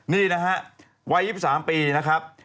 นี่นะฮะวัย๒๓ปีนะครับ